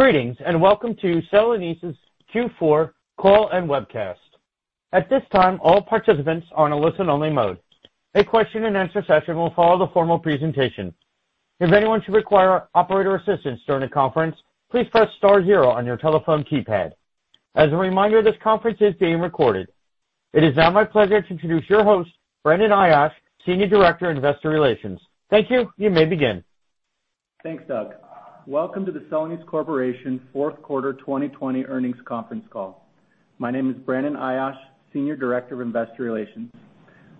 Greetings, and welcome to Celanese's Q4 call and webcast. At this time, all participants are on a listen-only mode. A question and answer session will follow the formal presentation. If anyone should require operator assistance during the conference, please press star zero on your telephone keypad. As a reminder, this conference is being recorded. It is now my pleasure to introduce your host, Brandon Ayache, Senior Director of Investor Relations. Thank you. You may begin. Thanks, Doug. Welcome to the Celanese Corporation fourth quarter 2020 earnings conference call. My name is Brandon Ayache, Senior Director of Investor Relations.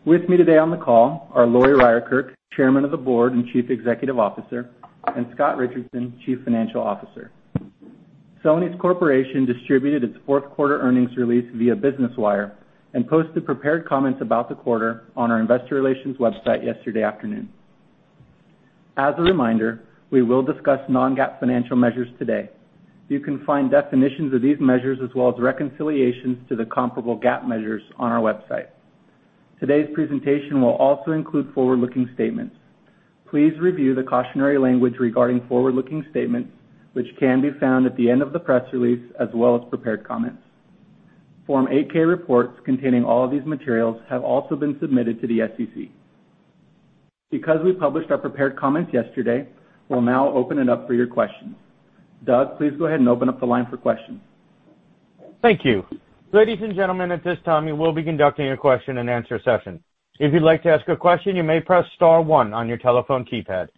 With me today on the call are Lori Ryerkerk, Chairman of the Board and Chief Executive Officer, and Scott Richardson, Chief Financial Officer. Celanese Corporation distributed its fourth quarter earnings release via Business Wire and posted prepared comments about the quarter on our investor relations website yesterday afternoon. As a reminder, we will discuss non-GAAP financial measures today. You can find definitions of these measures as well as reconciliations to the comparable GAAP measures on our website. Today's presentation will also include forward-looking statements. Please review the cautionary language regarding forward-looking statements, which can be found at the end of the press release as well as prepared comments. Form 8-K reports containing all of these materials have also been submitted to the SEC. Because we published our prepared comments yesterday, we'll now open it up for your questions. Doug, please go ahead and open up the line for questions. Thank you. Ladies and gentlemen, at this time, we will be conducting a question and answer session. If you'd like to ask a question, you may press star one on your telephone keypad.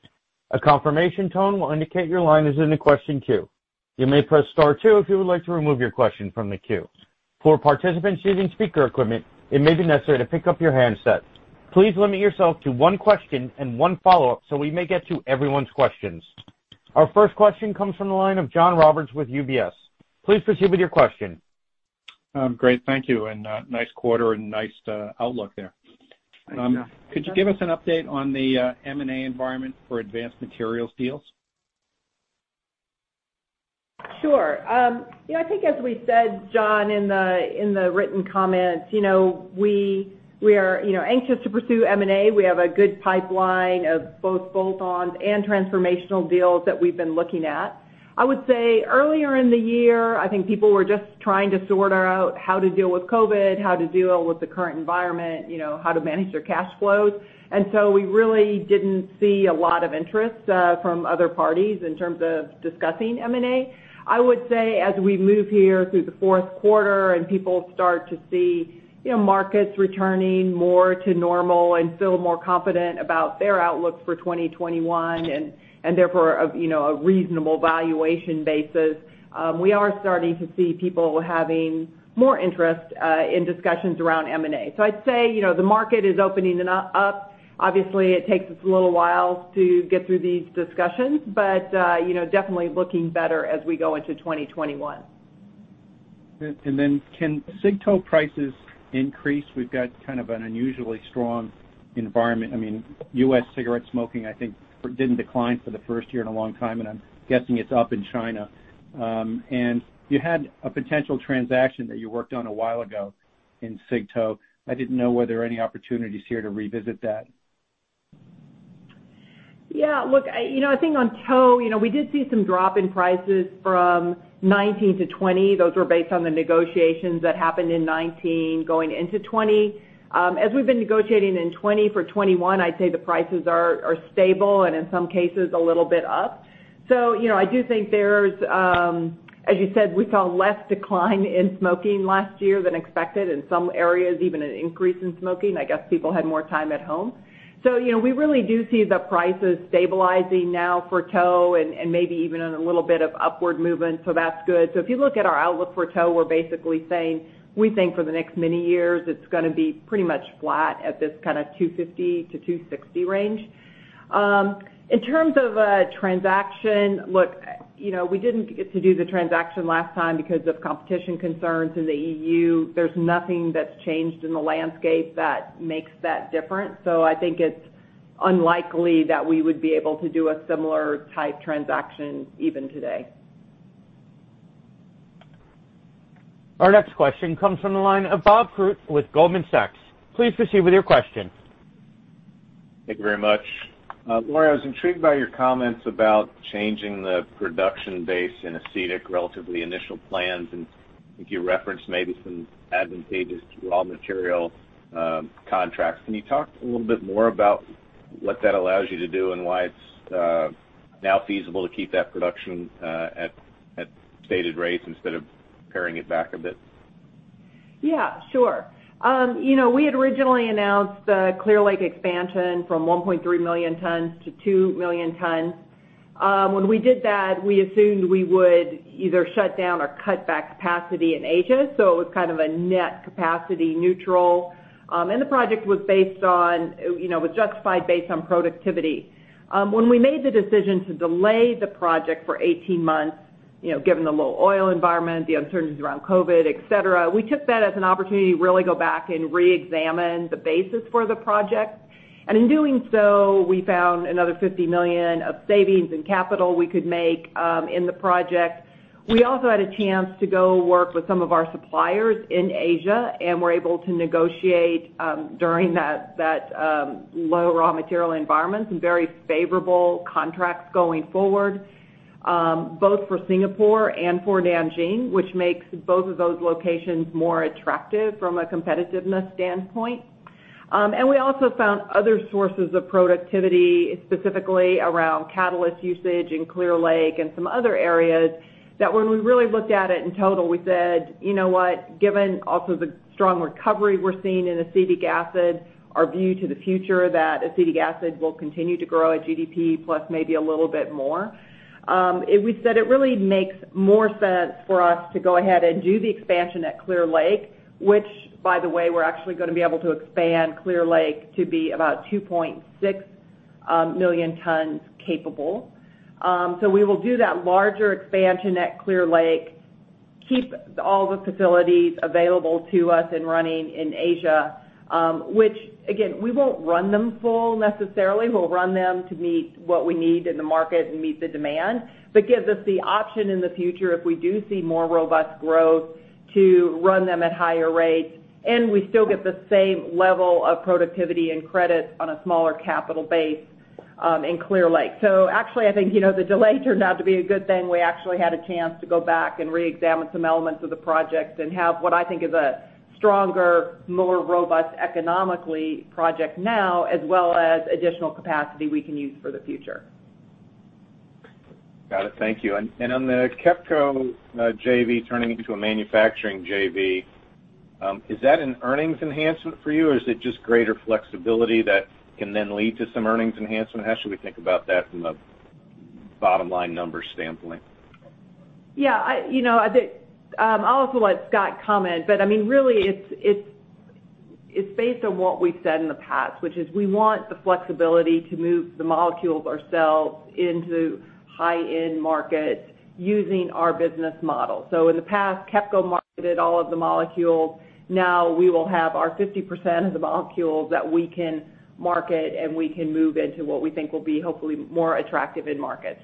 A confirmation tone will indicate your line is in the question queue. You may press star two if you would like to remove your question from the queue. For participants using speaker equipment, it may be necessary to pick up your handset. Please limit yourself to one question and one follow-up so we may get to everyone's questions. Our first question comes from the line of John Roberts with UBS. Please proceed with your question. Great. Thank you, and nice quarter and nice outlook there. Thanks, John. Could you give us an update on the M&A environment for advanced materials deals? Sure. I think as we said, John, in the written comments, we are anxious to pursue M&A. We have a good pipeline of both bolt-ons and transformational deals that we've been looking at. I would say earlier in the year, I think people were just trying to sort out how to deal with COVID, how to deal with the current environment, how to manage their cash flows, and so we really didn't see a lot of interest from other parties in terms of discussing M&A. I would say, as we move here through the fourth quarter and people start to see markets returning more to normal and feel more confident about their outlook for 2021 and therefore, a reasonable valuation basis, we are starting to see people having more interest in discussions around M&A. I'd say, the market is opening up. Obviously, it takes us a little while to get through these discussions, but definitely looking better as we go into 2021. Can cig tow prices increase? We've got kind of an unusually strong environment. U.S. cigarette smoking, I think, didn't decline for the first year in a long time, and I'm guessing it's up in China. You had a potential transaction that you worked on a while ago in cig tow. I didn't know were there any opportunities here to revisit that. Look, I think on tow, we did see some drop in prices from 2019 to 2020. Those were based on the negotiations that happened in 2019 going into 2020. As we've been negotiating in 2020 for 2021, I'd say the prices are stable and in some cases a little bit up. I do think there's, as you said, we saw less decline in smoking last year than expected. In some areas, even an increase in smoking. I guess people had more time at home. We really do see the prices stabilizing now for tow and maybe even a little bit of upward movement. That's good. If you look at our outlook for tow, we're basically saying we think for the next many years it's going to be pretty much flat at this kind of $250-260 range. In terms of a transaction, look, we didn't get to do the transaction last time because of competition concerns in the EU. There's nothing that's changed in the landscape that makes that different. I think it's unlikely that we would be able to do a similar type transaction even today. Our next question comes from the line of Bob Koort with Goldman Sachs. Please proceed with your question. Thank you very much. Lori, I was intrigued by your comments about changing the production base in acetic relatively initial plans. I think you referenced maybe some advantageous raw material contracts. Can you talk a little bit more about what that allows you to do and why it's now feasible to keep that production at stated rates instead of paring it back a bit? Yeah, sure. We had originally announced the Clear Lake expansion from 1.3 million tons to 2 million tons. When we did that, we assumed we would either shut down or cut back capacity in Asia. It was kind of a net capacity neutral. The project was justified based on productivity. When we made the decision to delay the project for 18 months, given the low oil environment, the uncertainties around COVID, et cetera, we took that as an opportunity to really go back and reexamine the basis for the project. In doing so, we found another $50 million of savings and capital we could make in the project. We also had a chance to go work with some of our suppliers in Asia, and were able to negotiate during that low raw material environment some very favorable contracts going forward, both for Singapore and for Nanjing, which makes both of those locations more attractive from a competitiveness standpoint. We also found other sources of productivity, specifically around catalyst usage in Clear Lake and some other areas, that when we really looked at it in total, we said, "You know what? Given also the strong recovery we're seeing in acetic acid, our view to the future that acetic acid will continue to grow at GDP plus maybe a little bit more. We said it really makes more sense for us to go ahead and do the expansion at Clear Lake, which, by the way, we're actually going to be able to expand Clear Lake to be about 2.6 million tons capable. So we will do that larger expansion at Clear Lake, keep all the facilities available to us and running in Asia, which again, we won't run them full necessarily. We'll run them to meet what we need in the market and meet the demand, but gives us the option in the future if we do see more robust growth to run them at higher rates, and we still get the same level of productivity and credits on a smaller capital base in Clear Lake. Actually, I think, the delay turned out to be a good thing. We actually had a chance to go back and reexamine some elements of the project and have what I think is a stronger, more robust economically project now, as well as additional capacity we can use for the future. Got it. Thank you. On the KEPCO JV turning into a manufacturing JV, is that an earnings enhancement for you, or is it just greater flexibility that can then lead to some earnings enhancement? How should we think about that from a bottom-line number standpoint? Yeah. I'll also let Scott comment, but really, it's based on what we've said in the past, which is we want the flexibility to move the molecules ourselves into high-end markets using our business model. In the past, KEPCO marketed all of the molecules. Now we will have our 50% of the molecules that we can market, and we can move into what we think will be hopefully more attractive end markets.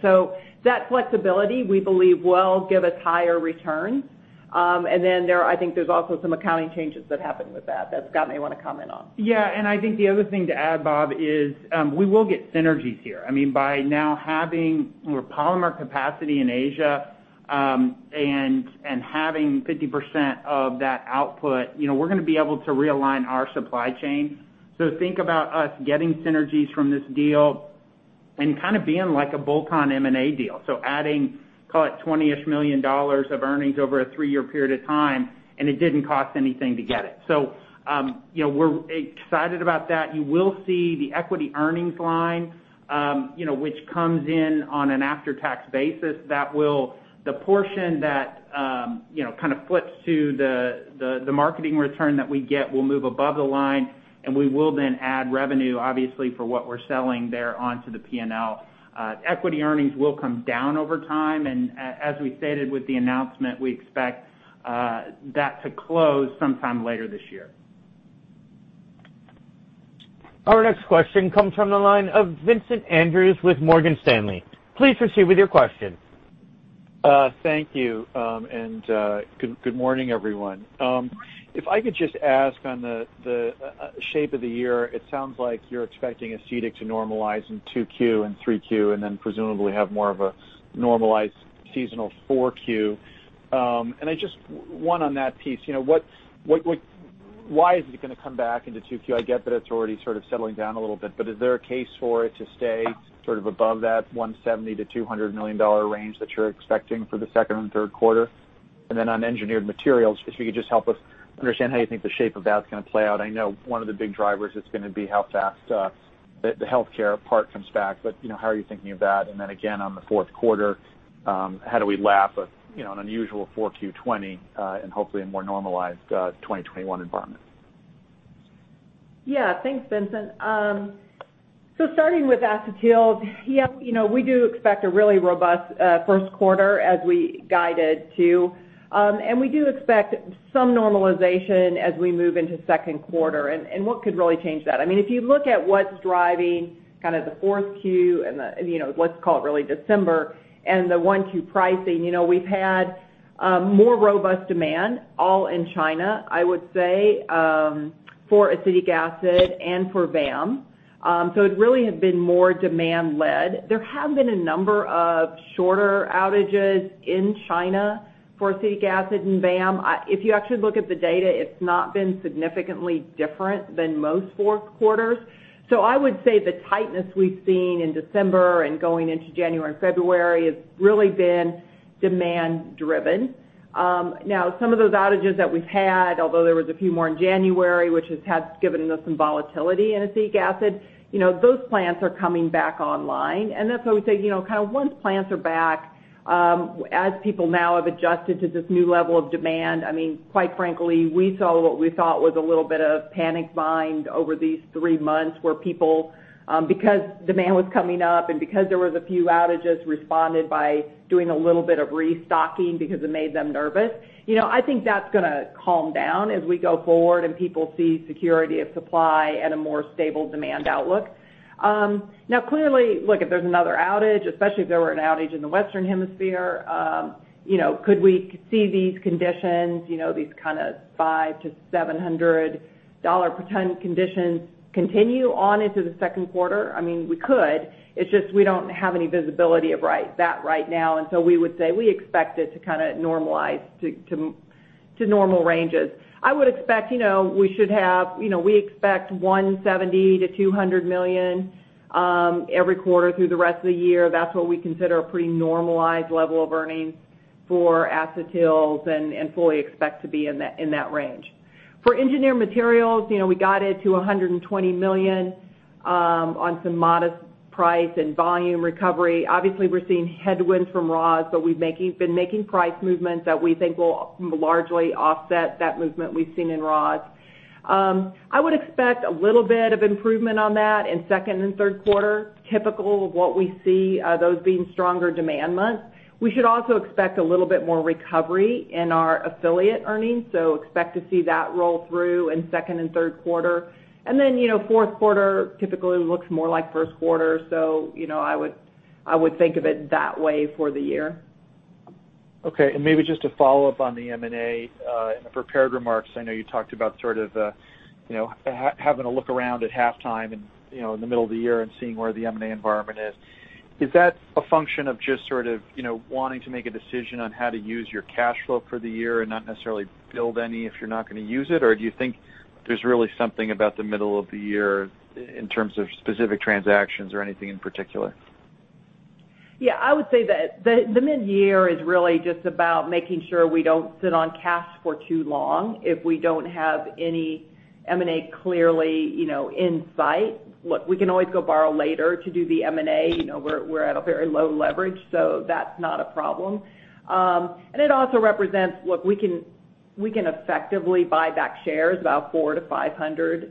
That flexibility, we believe, will give us higher returns. I think there's also some accounting changes that happen with that Scott may want to comment on. Yeah, I think the other thing to add, Bob, is we will get synergies here. By now having more polymer capacity in Asia, and having 50% of that output, we're going to be able to realign our supply chain. Think about us getting synergies from this deal and kind of being like a bolt-on M&A deal. Adding, call it $20-ish million of earnings over a three-year period of time, and it didn't cost anything to get it. We're excited about that. You will see the equity earnings line, which comes in on an after-tax basis. The portion that kind of flips to the marketing return that we get will move above the line, and we will then add revenue, obviously, for what we're selling there onto the P&L. Equity earnings will come down over time, and as we stated with the announcement, we expect that to close sometime later this year. Our next question comes from the line of Vincent Andrews with Morgan Stanley. Please proceed with your question. Thank you, and good morning, everyone. If I could just ask on the shape of the year, it sounds like you're expecting acetic to normalize in Q2 and Q3, and then presumably have more of a normalized seasonal Q4. One on that piece. Why is it going to come back into Q2? I get that it's already sort of settling down a little bit, but is there a case for it to stay sort of above that $170-200 million range that you're expecting for the second and third quarter? On engineered materials, if you could just help us understand how you think the shape of that's going to play out. I know one of the big drivers is going to be how fast the healthcare part comes back, but how are you thinking of that? again, on the fourth quarter, how do we lap an unusual Q4 2020, and hopefully a more normalized 2021 environment? Yeah. Thanks, Vincent. Starting with acetyl, we do expect a really robust first quarter as we guided to. We do expect some normalization as we move into second quarter. What could really change that? If you look at what's driving kind of the Q4 and the, let's call it really December, and the Q1 pricing, we've had more robust demand, all in China, I would say, for acetic acid and for VAM. It really has been more demand led. There have been a number of shorter outages in China for acetic acid and VAM. If you actually look at the data, it's not been significantly different than most fourth quarters. I would say the tightness we've seen in December and going into January and February has really been demand driven. Now, some of those outages that we've had, although there was a few more in January, which has given us some volatility in acetic acid, those plants are coming back online. That's why we say, kind of once plants are back, as people now have adjusted to this new level of demand, quite frankly, we saw what we thought was a little bit of panic buying over these three months where people, because demand was coming up and because there was a few outages, responded by doing a little bit of restocking because it made them nervous. I think that's going to calm down as we go forward and people see security of supply and a more stable demand outlook. Now, clearly, look, if there's another outage, especially if there were an outage in the Western Hemisphere, could we see these conditions, these kind of $500-700 per ton conditions continue on into the second quarter? We could. It's just we don't have any visibility of that right now, and so we would say we expect it to kind of normalize to normal ranges. I would expect we should expect $170-200 million every quarter through the rest of the year. That's what we consider a pretty normalized level of earnings for Acetyls and fully expect to be in that range. For Engineered Materials, we got it to $120 million on some modest price and volume recovery. Obviously, we're seeing headwinds from raws, but we've been making price movements that we think will largely offset that movement we've seen in raws. I would expect a little bit of improvement on that in second and third quarter, typical of what we see, those being stronger demand months. We should also expect a little bit more recovery in our affiliate earnings, so expect to see that roll through in second and third quarter. fourth quarter typically looks more like first quarter, so I would think of it that way for the year. Okay, maybe just to follow up on the M&A. In the prepared remarks, I know you talked about sort of having a look around at halftime and in the middle of the year and seeing where the M&A environment is. Is that a function of just sort of wanting to make a decision on how to use your cash flow for the year and not necessarily build any if you're not going to use it? Do you think there's really something about the middle of the year in terms of specific transactions or anything in particular? Yeah, I would say that the mid-year is really just about making sure we don't sit on cash for too long if we don't have any M&A clearly in sight. Look, we can always go borrow later to do the M&A. We're at a very low leverage, so that's not a problem. It also represents what we can effectively buy back shares, about $400-500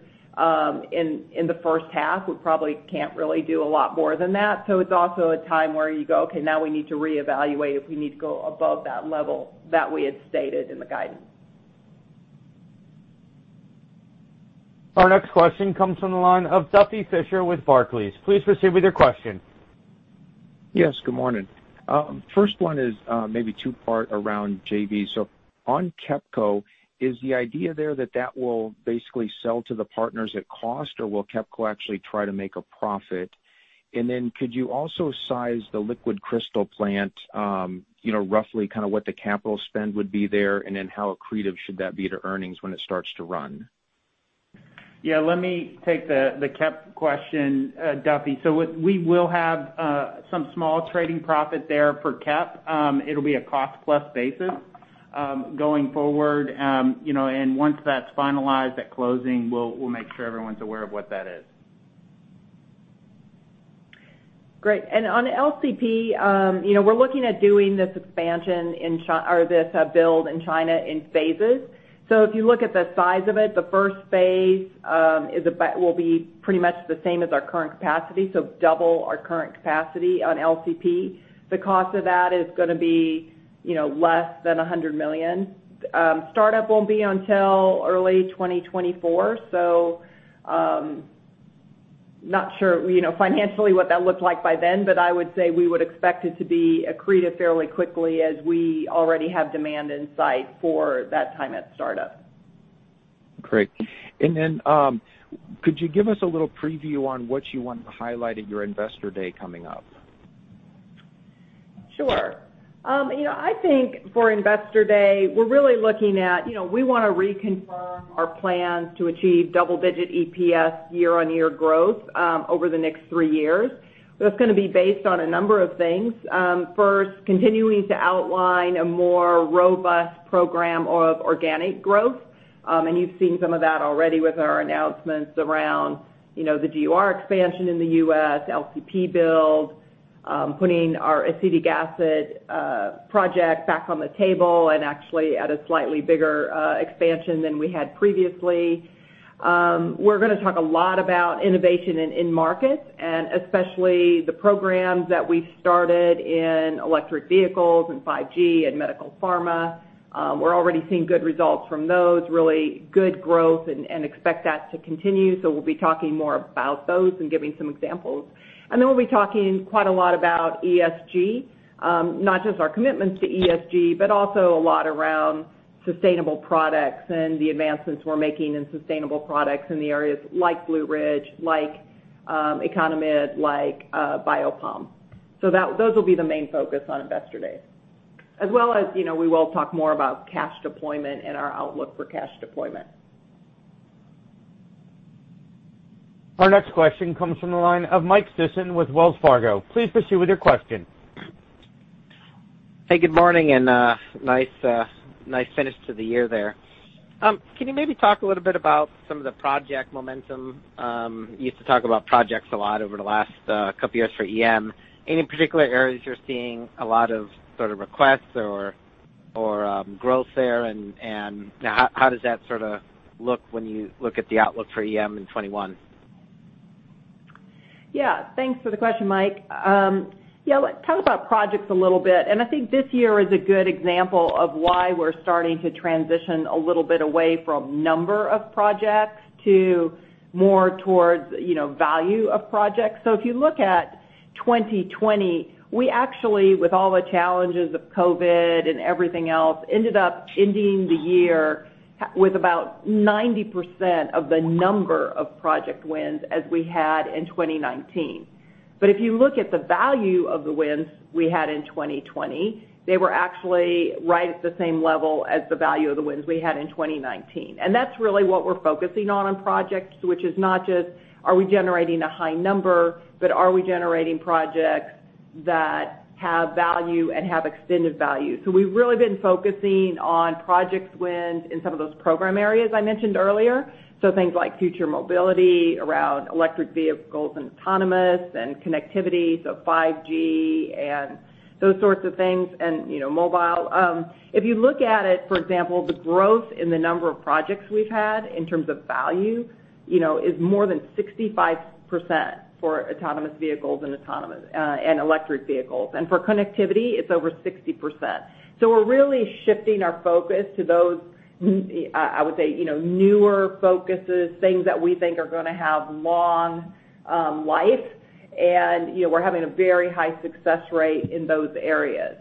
in the first half. We probably can't really do a lot more than that. It's also a time where you go, "Okay, now we need to reevaluate if we need to go above that level that we had stated in the guidance. Our next question comes from the line of Duffy Fischer with Barclays. Please proceed with your question. Yes, good morning. First one is maybe two-part around JV. On KEPCO, is the idea there that that will basically sell to the partners at cost, or will KEPCO actually try to make a profit? Could you also size the liquid crystal plant roughly kind of what the capital spend would be there, and then how accretive should that be to earnings when it starts to run? Yeah, let me take the KEP question, Duffy. we will have some small trading profit there for KEP. It'll be a cost-plus basis going forward. once that's finalized at closing, we'll make sure everyone's aware of what that is. Great. on LCP, we're looking at doing this build in China in phases. if you look at the size of it, the first phase will be pretty much the same as our current capacity, so double our current capacity on LCP. The cost of that is going to be less than $100 million. Startup won't be until early 2024, so not sure financially what that looks like by then, but I would say we would expect it to be accretive fairly quickly as we already have demand in sight for that time at startup. Great. could you give us a little preview on what you want to highlight at your Investor Day coming up? Sure. I think for Investor Day, we're really looking at we want to reconfirm our plans to achieve double-digit EPS year-over-year growth over the next three years. That's going to be based on a number of things. First, continuing to outline a more robust program of organic growth, and you've seen some of that already with our announcements around the GUR expansion in the U.S., LCP build, putting our acetic acid project back on the table and actually at a slightly bigger expansion than we had previously. We're going to talk a lot about innovation in end markets, and especially the programs that we've started in electric vehicles and 5G and medical pharma. We're already seeing good results from those, really good growth and expect that to continue, so we'll be talking more about those and giving some examples. Then we'll be talking quite a lot about ESG. Not just our commitments to ESG, but also a lot around sustainable products and the advancements we're making in sustainable products in the areas like BlueRidge, like EconoMed, like bio-POM. Those will be the main focus on Investor Day. As well as we will talk more about cash deployment and our outlook for cash deployment. Our next question comes from the line of Michael Sison with Wells Fargo. Please proceed with your question. Hey, good morning, and nice finish to the year there. Can you maybe talk a little bit about some of the project momentum? You used to talk about projects a lot over the last couple of years for EM. Any particular areas you're seeing a lot of sort of requests or growth there, and how does that sort of look when you look at the outlook for EM in 2021? Yeah. Thanks for the question, Michael. Yeah, talk about projects a little bit, and I think this year is a good example of why we're starting to transition a little bit away from number of projects to more towards value of projects. If you look at 2020, we actually, with all the challenges of COVID and everything else, ended up ending the year with about 90% of the number of project wins as we had in 2019. If you look at the value of the wins we had in 2020, they were actually right at the same level as the value of the wins we had in 2019. That's really what we're focusing on in projects, which is not just are we generating a high number, but are we generating projects that have value and have extended value. We've really been focusing on project wins in some of those program areas I mentioned earlier. things like future mobility around electric vehicles and autonomous and connectivity, so 5G and those sorts of things and mobile. If you look at it, for example, the growth in the number of projects we've had in terms of value is more than 65% for autonomous vehicles and electric vehicles. for connectivity, it's over 60%. We're really shifting our focus to those, I would say, newer focuses, things that we think are going to have long life, and we're having a very high success rate in those areas.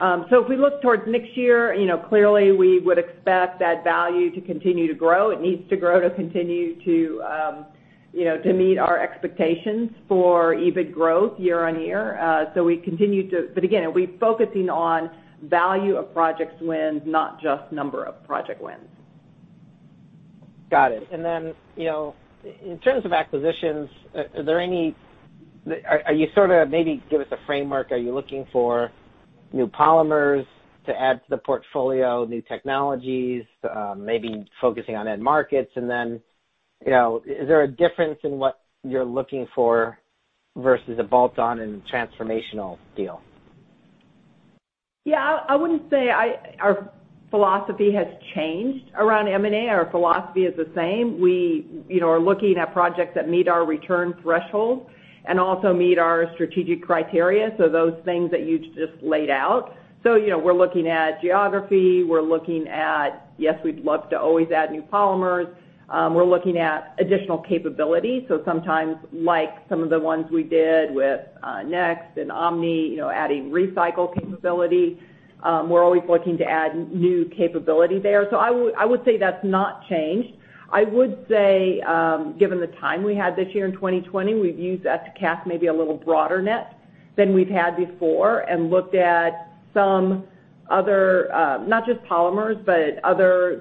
if we look towards next year, clearly, we would expect that value to continue to grow. It needs to grow to continue to meet our expectations for EBIT growth year-on-year. again, we're focusing on value of projects wins, not just number of project wins. Got it. in terms of acquisitions, maybe give us a framework. Are you looking for new polymers to add to the portfolio, new technologies, maybe focusing on end markets? is there a difference in what you're looking for versus a bolt-on and a transformational deal? Yeah, I wouldn't say our philosophy has changed around M&A. Our philosophy is the same. We are looking at projects that meet our return threshold and also meet our strategic criteria, so those things that you just laid out. We're looking at geography. Yes, we'd love to always add new polymers. We're looking at additional capability, so sometimes like some of the ones we did with Next and Omni, adding recycle capability. We're always looking to add new capability there. I would say that's not changed. I would say, given the time we had this year in 2020, we've used that to cast maybe a little broader net than we've had before and looked at some other, not just polymers, but other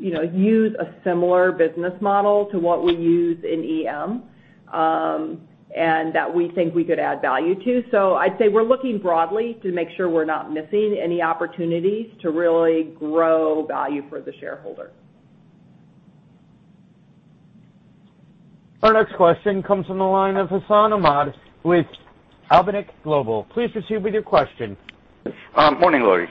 chemistries that use a similar business model to what we use in EM, and that we think we could add value to. I'd say we're looking broadly to make sure we're not missing any opportunities to really grow value for the shareholder. Our next question comes from the line of Hassan Ahmed with Alembic Global. Please proceed with your question. Morning, Lori.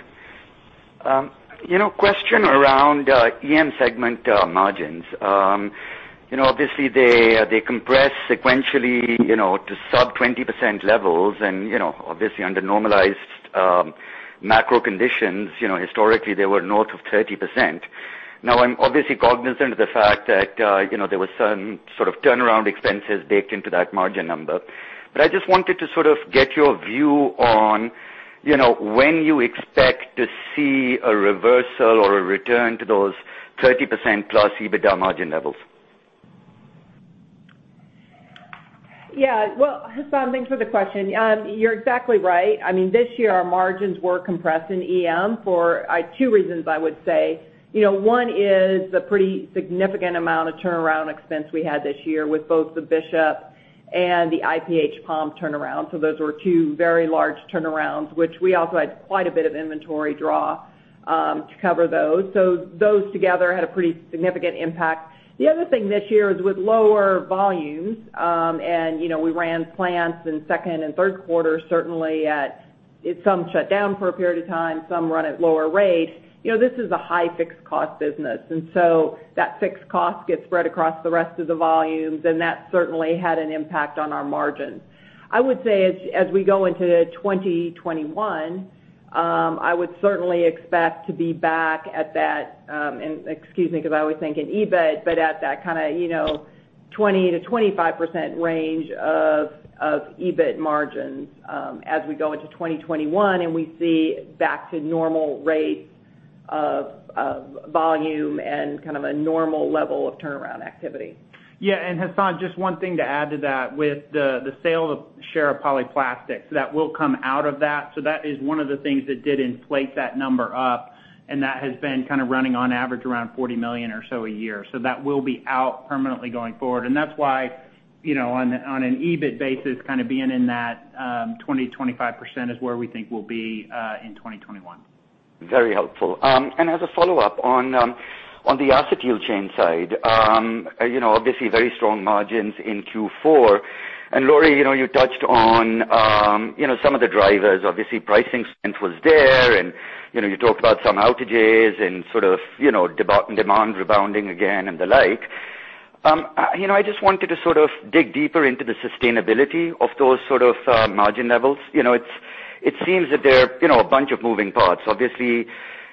Question around EM segment margins. Obviously, they compress sequentially to sub 20% levels and obviously under normalized macro conditions, historically, they were north of 30%. Now I'm obviously cognizant of the fact that there were certain sort of turnaround expenses baked into that margin number. I just wanted to sort of get your view on when you expect to see a reversal or a return to those 30% plus EBITDA margin levels. Yeah. Well, Hassan, thanks for the question. You're exactly right. This year our margins were compressed in EM for two reasons, I would say. One is the pretty significant amount of turnaround expense we had this year with both the Bishop and the Ibn Sina turnaround. Those were two very large turnarounds, which we also had quite a bit of inventory draw to cover those. Those together had a pretty significant impact. The other thing this year is with lower volumes, and we ran plants in second and third quarter, certainly at some shut down for a period of time, some run at lower rates. This is a high fixed cost business, and so that fixed cost gets spread across the rest of the volumes, and that certainly had an impact on our margins. I would say as we go into 2021, I would certainly expect to be back at that, and excuse me because I always think in EBIT, but at that kind of 20%-25% range of EBIT margins as we go into 2021 and we see back to normal rates of volume and kind of a normal level of turnaround activity. Yeah, Hassan, just one thing to add to that. With the sale of share of Polyplastics, that will come out of that. That is one of the things that did inflate that number up, and that has been kind of running on average around $40 million or so a year. That will be out permanently going forward. That's why, on an EBIT basis, kind of being in that 20%-25% is where we think we'll be in 2021. Very helpful. As a follow-up on the acetyl chain side, obviously very strong margins in Q4. Lori, you touched on some of the drivers. Obviously pricing spend was there, and you talked about some outages and sort of demand rebounding again and the like. I just wanted to sort of dig deeper into the sustainability of those sort of margin levels. It seems that there are a bunch of moving parts. Obviously,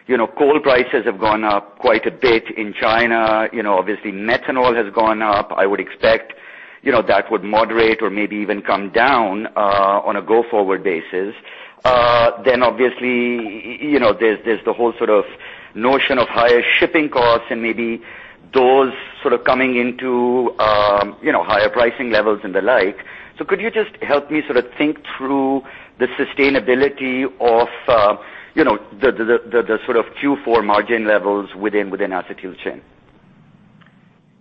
coal prices have gone up quite a bit in China. Obviously methanol has gone up. I would expect that would moderate or maybe even come down on a go-forward basis. Obviously, there's the whole sort of notion of higher shipping costs and maybe those sort of coming into higher pricing levels and the like. Could you just help me sort of think through the sustainability of the sort of Q4 margin levels within acetyl chain?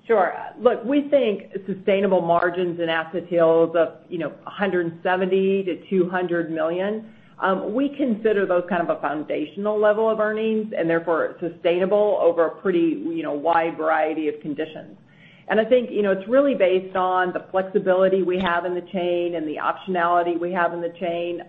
Sure. Look, we think sustainable margins in acetyls of $170-200 million. We consider those kind of a foundational level of earnings, and therefore, sustainable over a pretty wide variety of conditions. I think, it's really based on the flexibility we have in the chain and the optionality we have in the chain.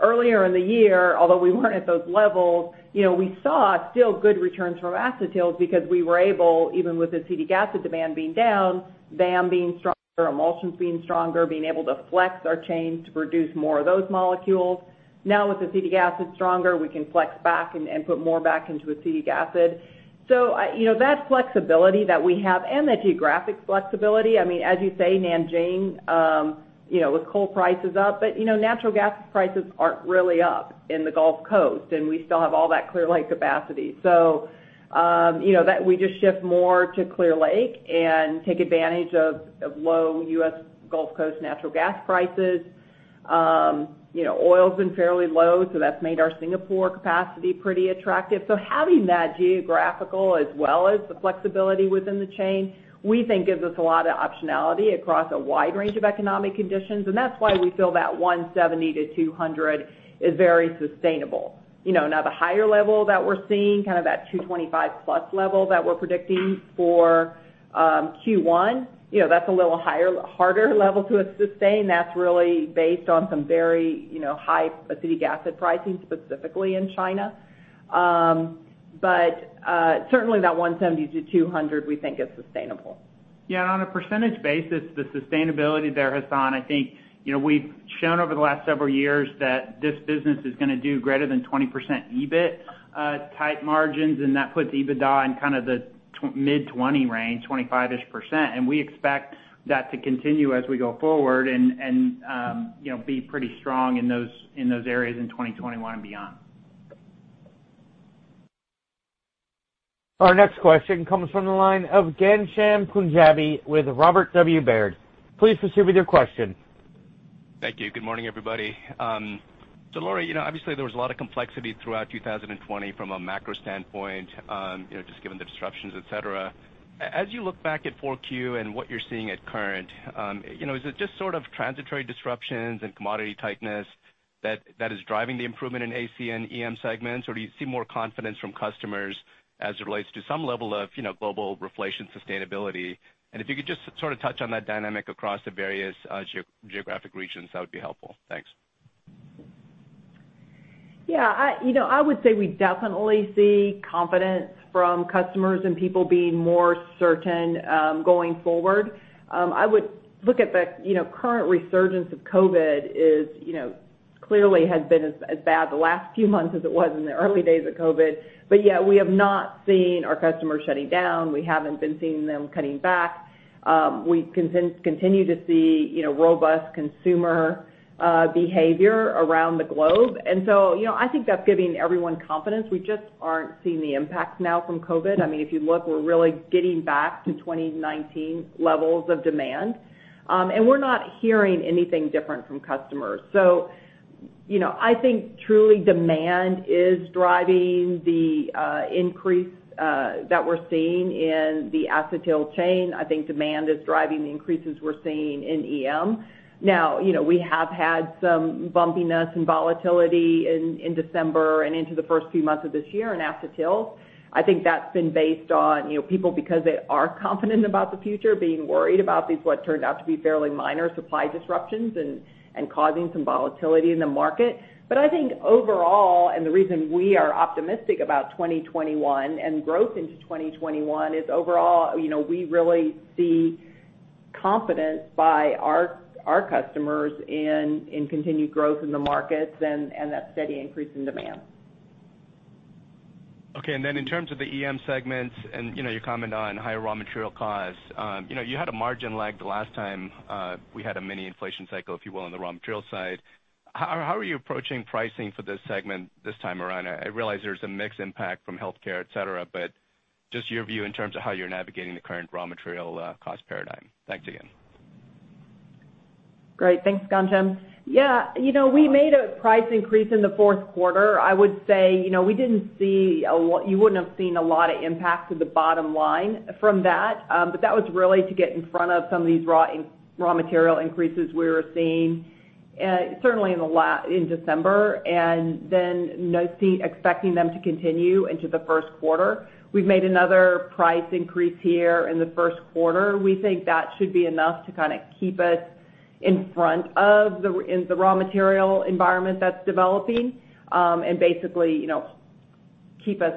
Earlier in the year, although we weren't at those levels, we saw still good returns from acetyls because we were able, even with acetic acid demand being down, VAM being stronger, emulsions being stronger, being able to flex our chain to produce more of those molecules. Now with acetic acid stronger, we can flex back and put more back into acetic acid. That flexibility that we have and the geographic flexibility, as you say, Nanjing, with coal prices up. Natural gas prices aren't really up in the Gulf Coast, and we still have all that Clear Lake capacity. We just shift more to Clear Lake and take advantage of low U.S. Gulf Coast natural gas prices. Oil's been fairly low, so that's made our Singapore capacity pretty attractive. Having that geographical as well as the flexibility within the chain, we think gives us a lot of optionality across a wide range of economic conditions. That's why we feel that $170-200 million is very sustainable. Now the higher level that we're seeing, kind of that 225-plus level that we're predicting for Q1, that's a little harder level to sustain. That's really based on some very high acetic acid pricing, specifically in China. Certainly that $170-200 million we think is sustainable. Yeah, on a percentage basis, the sustainability there, Hassan, I think we've shown over the last several years that this business is going to do greater than 20% EBIT type margins, and that puts EBITDA in kind of the mid 20 range, 25-ish percent. We expect that to continue as we go forward and be pretty strong in those areas in 2021 and beyond. Our next question comes from the line of Ghansham Panjabi with Robert W. Baird. Please proceed with your question. Thank you. Good morning, everybody. Lori, obviously there was a lot of complexity throughout 2020 from a macro standpoint, just given the disruptions, et cetera. As you look back at Q4 and what you're seeing at current, is it just sort of transitory disruptions and commodity tightness that is driving the improvement in AC and EM segments? Do you see more confidence from customers as it relates to some level of global reflation sustainability? If you could just sort of touch on that dynamic across the various geographic regions, that would be helpful. Thanks. Yeah. I would say we definitely see confidence from customers and people being more certain going forward. I would look at the current resurgence of COVID clearly has been as bad the last few months as it was in the early days of COVID. Yeah, we have not seen our customers shutting down. We haven't been seeing them cutting back. We continue to see robust consumer behavior around the globe. I think that's giving everyone confidence. We just aren't seeing the impacts now from COVID. If you look, we're really getting back to 2019 levels of demand. We're not hearing anything different from customers. I think truly demand is driving the increase that we're seeing in the acetyl chain. I think demand is driving the increases we're seeing in EM. Now, we have had some bumpiness and volatility in December and into the first few months of this year in acetyl. I think that is based on the people beacause are confindent about the future being woried about that what has turned to be seeling minor supply disruption and causing some volatility in the market. I think overall, and the reason we are optimistic about 2021 and growth into 2021 is overall, we really see confidence by our customers in continued growth in the markets and that steady increase in demand. Okay, in terms of the EM segments and your comment on higher raw material costs, you had a margin lag the last time we had a mini inflation cycle, if you will, on the raw material side. How are you approaching pricing for this segment this time around? I realize there's a mix impact from healthcare, et cetera, but just your view in terms of how you're navigating the current raw material cost paradigm. Thanks again. Great. Thanks, Ghansham. Yeah. We made a price increase in the fourth quarter. I would say you wouldn't have seen a lot of impact to the bottom line from that. that was really to get in front of some of these raw material increases we were seeing, certainly in December, and then expecting them to continue into the first quarter. We've made another price increase here in the first quarter. We think that should be enough to kind of keep us in front of the raw material environment that's developing. basically, keep us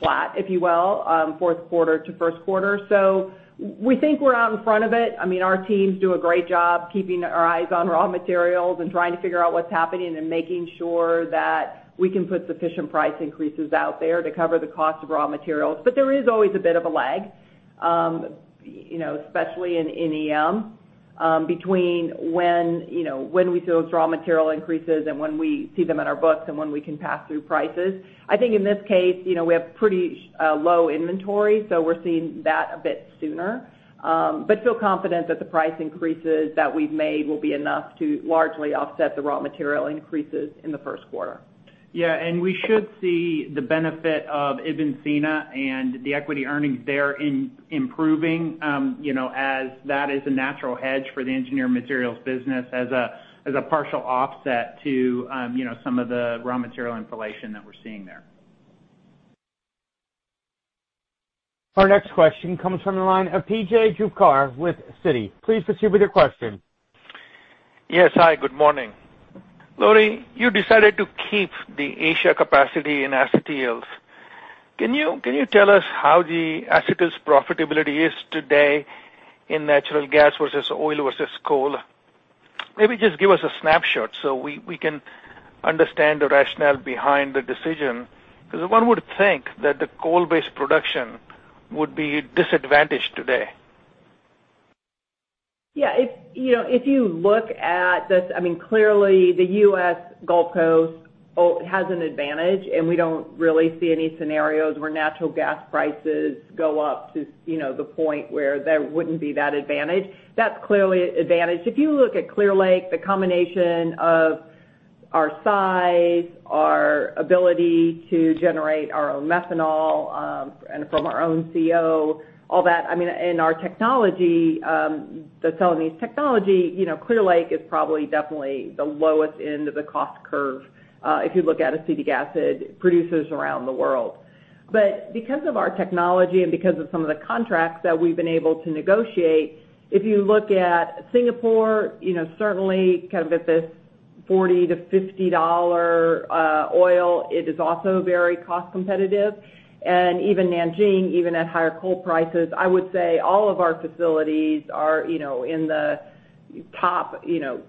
flat, if you will, fourth quarter to first quarter. we think we're out in front of it. Our teams do a great job keeping our eyes on raw materials and trying to figure out what's happening and making sure that we can put sufficient price increases out there to cover the cost of raw materials. There is always a bit of a lag, especially in EM between when we see those raw material increases and when we see them in our books and when we can pass through prices. I think in this case, we have pretty low inventory, so we're seeing that a bit sooner. Feel confident that the price increases that we've made will be enough to largely offset the raw material increases in the first quarter. Yeah. We should see the benefit of Ibn Sina and the equity earnings there improving, as that is a natural hedge for the engineering materials business as a partial offset to some of the raw material inflation that we're seeing there. Our next question comes from the line of P.J. Juvekar with Citi. Please proceed with your question. Yes. Hi, good morning. Lori, you decided to keep the Asia capacity in acetyls. Can you tell us how the acetates profitability is today in natural gas versus oil versus coal? Maybe just give us a snapshot so we can understand the rationale behind the decision, because one would think that the coal-based production would be disadvantaged today. Yeah. If you look at this, clearly, the U.S. Gulf Coast has an advantage, and we don't really see any scenarios where natural gas prices go up to the point where there wouldn't be that advantage. That's clearly an advantage. If you look at Clear Lake, the combination of our size, our ability to generate our own methanol, and from our own CO, all that, and our technology, the Celanese technology, Clear Lake is probably definitely the lowest end of the cost curve, if you look at acetic acid producers around the world. Because of our technology and because of some of the contracts that we've been able to negotiate, if you look at Singapore, certainly kind of at this $40-50 oil, it is also very cost competitive. even Nanjing, even at higher coal prices, I would say all of our facilities are in the top 25%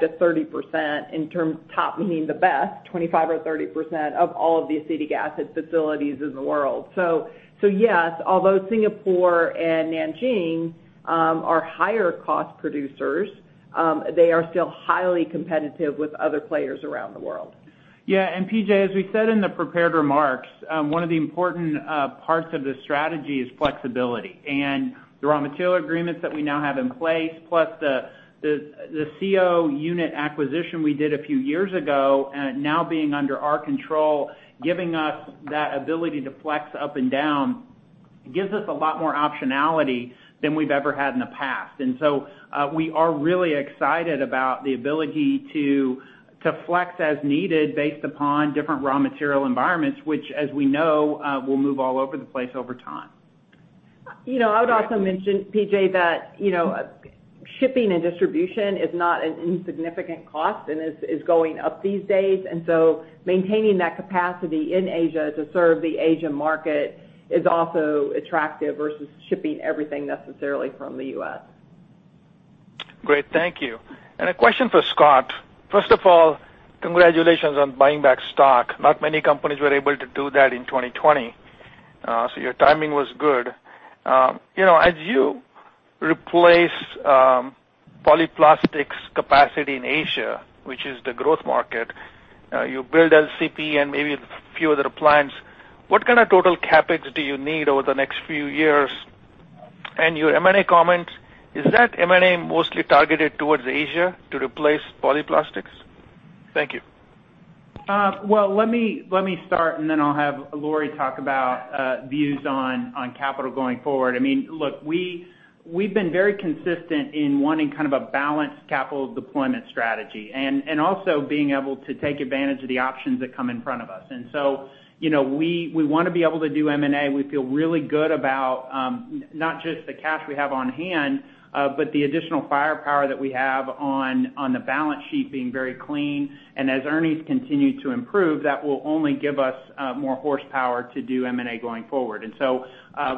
to 30% in terms, top meaning the best, 25% or 30% of all of the acetic acid facilities in the world. yes, although Singapore and Nanjing are higher cost producers, they are still highly competitive with other players around the world. Yeah. P.J., as we said in the prepared remarks, one of the important parts of this strategy is flexibility. The raw material agreements that we now have in place, plus the CO unit acquisition we did a few years ago, now being under our control, giving us that ability to flex up and down, gives us a lot more optionality than we've ever had in the past. We are really excited about the ability to flex as needed based upon different raw material environments, which, as we know, will move all over the place over time. I would also mention, P.J., that shipping and distribution is not an insignificant cost and is going up these days. Maintaining that capacity in Asia to serve the Asian market is also attractive versus shipping everything necessarily from the U.S. Great. Thank you. A question for Scott. First of all, congratulations on buying back stock. Not many companies were able to do that in 2020, so your timing was good. As you replace Polyplastics capacity in Asia, which is the growth market, you build LCP and maybe a few other plants, what kind of total CapEx do you need over the next few years? Your M&A comment, is that M&A mostly targeted towards Asia to replace Polyplastics? Thank you. Well, let me start, and then I'll have Lori talk about views on capital going forward. Look, we've been very consistent in wanting kind of a balanced capital deployment strategy, and also being able to take advantage of the options that come in front of us. We want to be able to do M&A. We feel really good about not just the cash we have on hand, but the additional firepower that we have on the balance sheet being very clean. As earnings continue to improve, that will only give us more horsepower to do M&A going forward.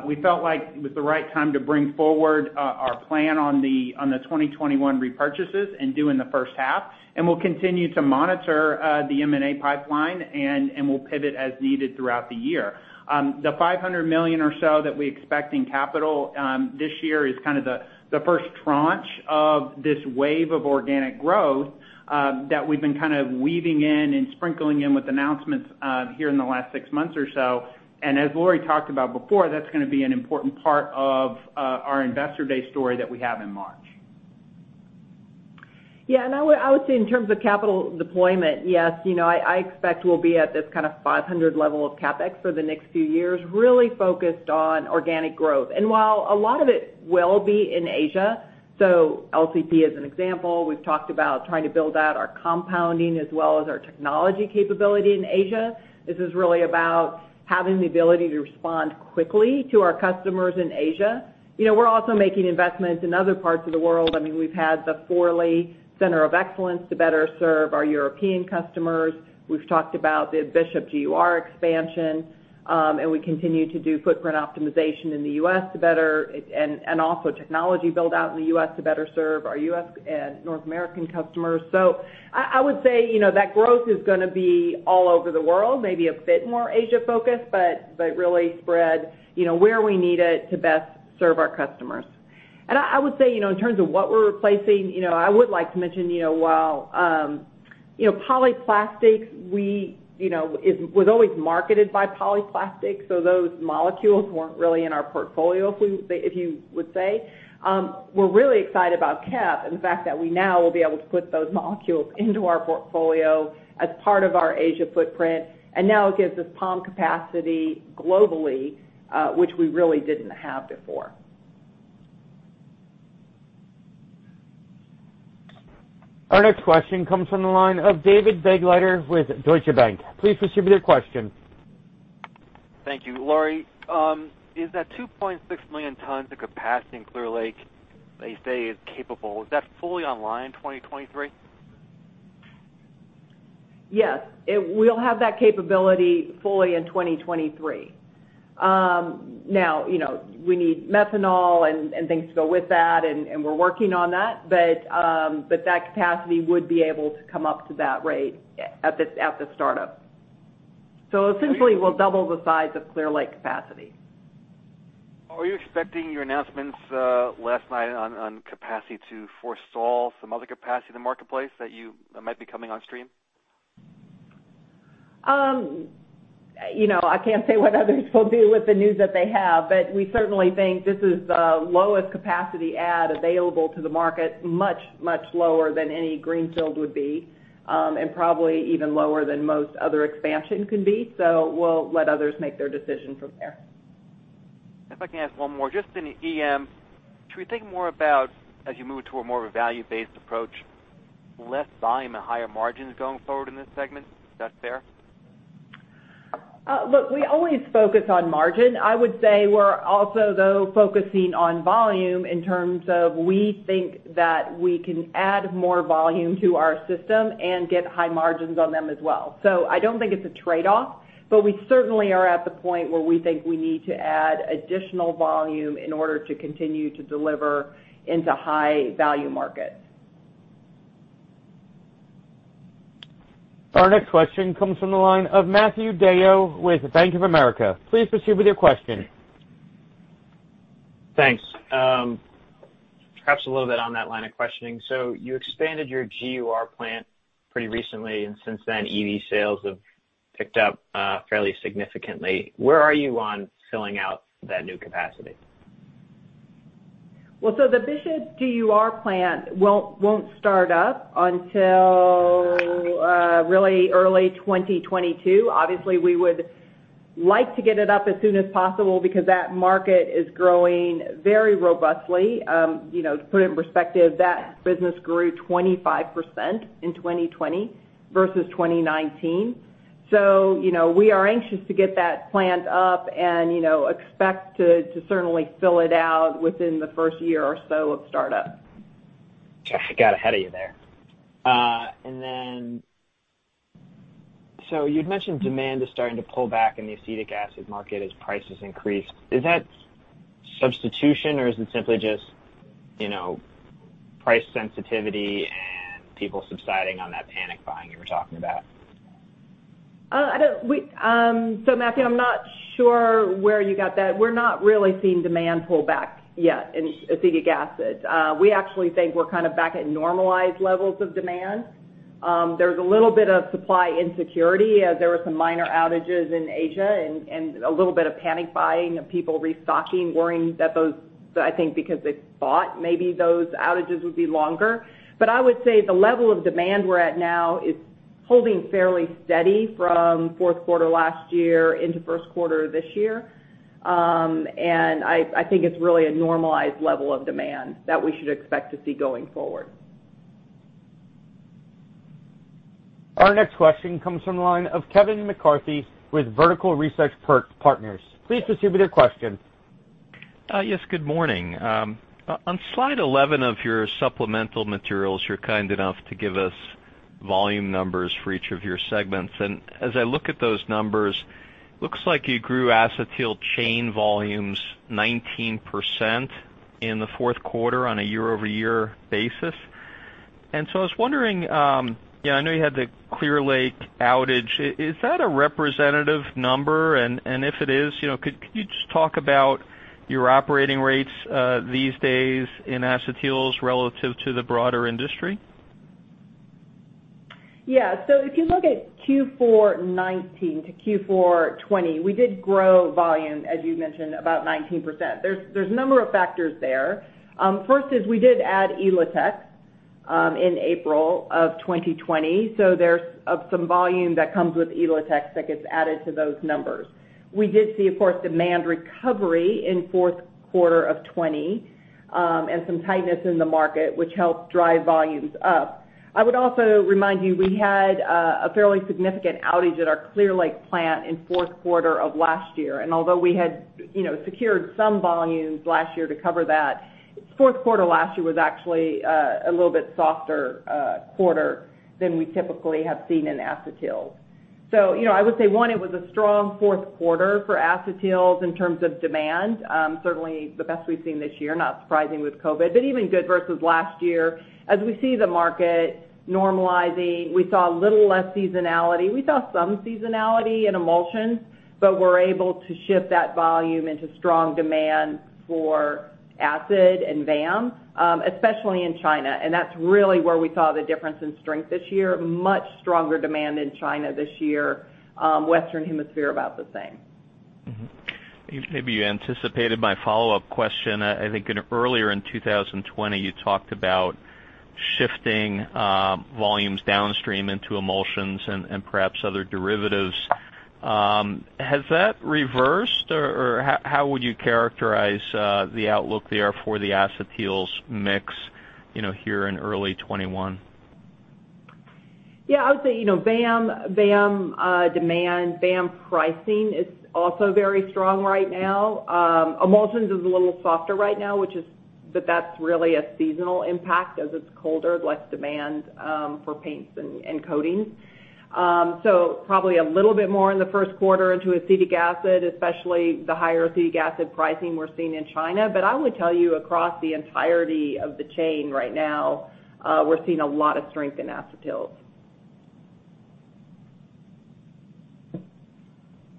We felt like it was the right time to bring forward our plan on the 2021 repurchases and do in the first half, and we'll continue to monitor the M&A pipeline, and we'll pivot as needed throughout the year. The $500 million or so that we expect in capital this year is kind of the first tranche of this wave of organic growth that we've been kind of weaving in and sprinkling in with announcements here in the last six months or so. As Lori talked about before, that's going to be an important part of our Investor Day story that we have in March. Yeah, I would say in terms of capital deployment, yes, I expect we'll be at this kind of 500 level of CapEx for the next few years, really focused on organic growth. While a lot of it will be in Asia, so LCP as an example, we've talked about trying to build out our compounding as well as our technology capability in Asia. This is really about having the ability to respond quickly to our customers in Asia. We're also making investments in other parts of the world. We've had the Forli Center of Excellence to better serve our European customers. We've talked about the Bishop GUR expansion, and we continue to do footprint optimization in the U.S. to better, and also technology build out in the U.S. to better serve our U.S. and North American customers. I would say, that growth is going to be all over the world, maybe a bit more Asia-focused, but really spread where we need it to best serve our customers. I would say, in terms of what we're replacing, I would like to mention, while Polyplastics, was always marketed by Polyplastics, so those molecules weren't really in our portfolio, if you would say. We're really excited about KEP and the fact that we now will be able to put those molecules into our portfolio as part of our Asia footprint, and now it gives us POM capacity globally, which we really didn't have before. Our next question comes from the line of David Begleiter with Deutsche Bank. Please proceed with your question. Thank you. Lori, is that 2.6 million tons of capacity in Clear Lake, they say is capable, is that fully online 2023? Yes. We'll have that capability fully in 2023. Now, we need methanol and things to go with that, and we're working on that. That capacity would be able to come up to that rate at the startup. Essentially, we'll double the size of Clear Lake capacity. Are you expecting your announcements last night on capacity to forestall some other capacity in the marketplace that might be coming on stream? I can't say what others will do with the news that they have, but we certainly think this is the lowest capacity add available to the market, much, much lower than any greenfield would be. Probably even lower than most other expansion can be. We'll let others make their decision from there. If I can ask one more. Just in EMs, should we think more about as you move to a more of a value-based approach, less volume and higher margins going forward in this segment? Is that fair? Look, we always focus on margin. I would say we're also, though, focusing on volume in terms of we think that we can add more volume to our system and get high margins on them as well. I don't think it's a trade-off, but we certainly are at the point where we think we need to add additional volume in order to continue to deliver into high-value markets. Our next question comes from the line of Matthew DeYoe with Bank of America. Please proceed with your question. Thanks. Perhaps a little bit on that line of questioning. You expanded your GUR plant pretty recently, and since then, EV sales have picked up fairly significantly. Where are you on filling out that new capacity? Well, the Bishop GUR plant won't start up until really early 2022. Obviously, we would like to get it up as soon as possible because that market is growing very robustly. To put it in perspective, that business grew 25% in 2020 versus 2019. We are anxious to get that plant up and expect to certainly fill it out within the first year or so of startup. Got ahead of you there. You'd mentioned demand is starting to pull back in the acetic acid market as prices increased. Is that substitution or is it simply just price sensitivity and people subsiding on that panic buying you were talking about? Matthew, I'm not sure where you got that. We're not really seeing demand pull back yet in acetic acid. We actually think we're kind of back at normalized levels of demand. There's a little bit of supply insecurity. There were some minor outages in Asia and a little bit of panic buying of people restocking, worrying that those, I think, because they thought maybe those outages would be longer. I would say the level of demand we're at now is holding fairly steady from fourth quarter last year into first quarter this year. I think it's really a normalized level of demand that we should expect to see going forward. Our next question comes from the line of Kevin McCarthy with Vertical Research Partners. Please distribute your question. Yes, good morning. On slide 11 of your supplemental materials, you're kind enough to give us volume numbers for each of your segments. As I look at those numbers, looks like you grew acetyl chain volumes 19% in the fourth quarter on a year-over-year basis. I was wondering, I know you had the Clear Lake outage. Is that a representative number? If it is, could you just talk about your operating rates these days in acetyls relative to the broader industry? Yeah. If you look at Q4 2019 to Q4 2020, we did grow volume, as you mentioned, about 19%. There's a number of factors there. First is we did add Elotex in April of 2020, so there's some volume that comes with Elotex that gets added to those numbers. We did see, of course, demand recovery in fourth quarter of 2020, and some tightness in the market, which helped drive volumes up. I would also remind you, we had a fairly significant outage at our Clear Lake plant in fourth quarter of last year. Although we had secured some volumes last year to cover that, fourth quarter last year was actually a little bit softer quarter than we typically have seen in acetyl. I would say, one, it was a strong fourth quarter for acetyls in terms of demand. Certainly the best we've seen this year, not surprising with COVID, but even good versus last year. As we see the market normalizing, we saw a little less seasonality. We saw some seasonality in emulsions, but we're able to ship that volume into strong demand for acid and VAM, especially in China, and that's really where we saw the difference in strength this year, much stronger demand in China this year. Western Hemisphere, about the same. Mm-hmm. Maybe you anticipated my follow-up question. I think earlier in 2020, you talked about shifting volumes downstream into emulsions and perhaps other derivatives. Has that reversed, or how would you characterize the outlook there for the acetyls mix here in early 2021? Yeah. I would say, VAM demand, VAM pricing is also very strong right now. Emulsions is a little softer right now, but that's really a seasonal impact. As it's colder, less demand for paints and coatings. Probably a little bit more in the first quarter into acetic acid, especially the higher acetic acid pricing we're seeing in China. I would tell you across the entirety of the chain right now, we're seeing a lot of strength in acetyls.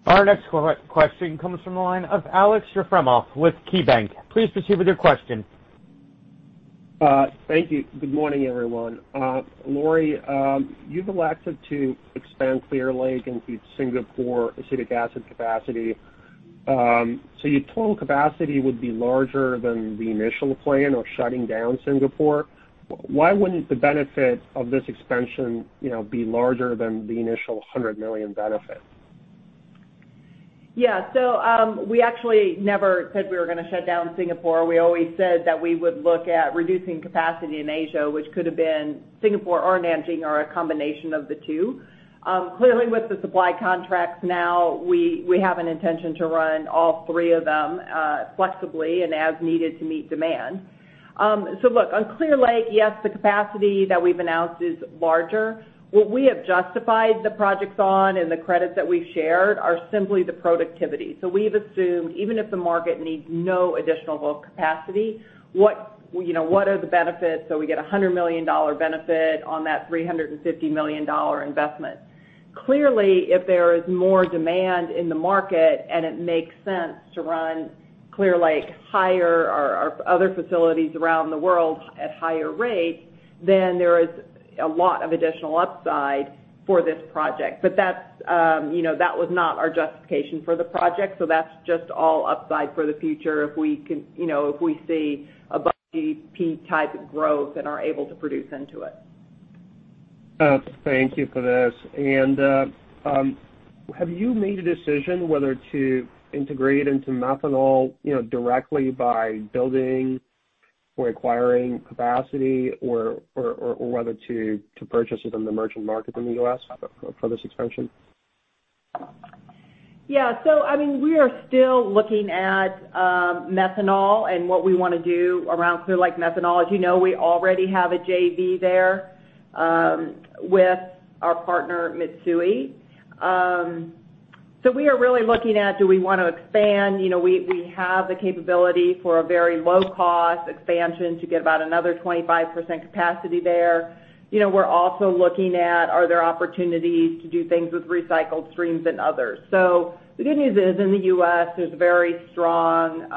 Our next question comes from the line of Aleksey Yefremov with KeyBanc. Please proceed with your question. Thank you. Good morning, everyone. Lori, you've elected to expand Clear Lake into Singapore acetic acid capacity. Your total capacity would be larger than the initial plan of shutting down Singapore. Why wouldn't the benefit of this expansion be larger than the initial $100 million benefit? Yeah. We actually never said we were going to shut down Singapore. We always said that we would look at reducing capacity in Asia, which could have been Singapore or Nanjing, or a combination of the two. Clearly, with the supply contracts now, we have an intention to run all three of them flexibly and as needed to meet demand. Look, on Clear Lake, yes, the capacity that we've announced is larger. What we have justified the projects on and the credits that we've shared are simply the productivity. We've assumed, even if the market needs no additional bulk capacity, what are the benefits? We get a $100 million benefit on that $350 million investment. Clearly, if there is more demand in the market and it makes sense to run Clear Lake higher or other facilities around the world at higher rates, then there is a lot of additional upside for this project. That was not our justification for the project, so that's just all upside for the future if we see a GDP type of growth and are able to produce into it. Thank you for this. Have you made a decision whether to integrate into methanol directly by building or acquiring capacity or whether to purchase it on the merchant market in the U.S. for this expansion? Yeah. We are still looking at methanol and what we want to do around Clear Lake methanol. As you know, we already have a JV there with our partner, Mitsui. We are really looking at do we want to expand? We have the capability for a very low-cost expansion to get about another 25% capacity there. We're also looking at are there opportunities to do things with recycled streams and others. The good news is, in the U.S., there's a very strong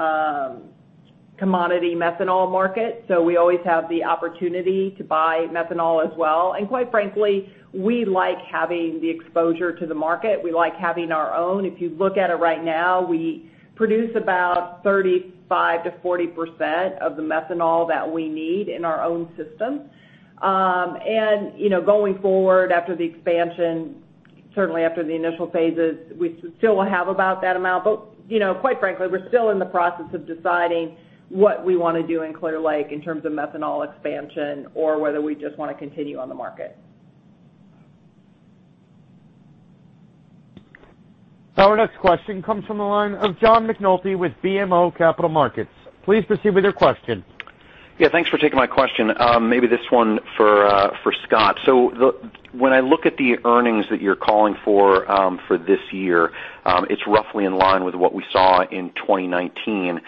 commodity methanol market, so we always have the opportunity to buy methanol as well. Quite frankly, we like having the exposure to the market. We like having our own. If you look at it right now, we produce about 35%-40% of the methanol that we need in our own system. Going forward after the expansion, certainly after the initial phases, we still will have about that amount. Quite frankly, we're still in the process of deciding what we want to do in Clear Lake in terms of methanol expansion or whether we just want to continue on the market. Our next question comes from the line of John McNulty with BMO Capital Markets. Please proceed with your question. Yeah, thanks for taking my question. Maybe this one for Scott. When I look at the earnings that you're calling for this year, it's roughly in line with what we saw in 2019.